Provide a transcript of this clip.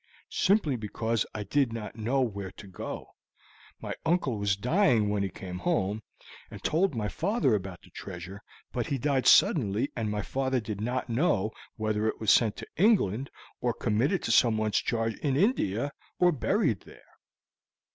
"Simply because I did not know where to go to. My uncle was dying when he came home, and told my father about the treasure, but he died suddenly, and my father did not know whether it was sent to England or committed to someone's charge in India, or buried there.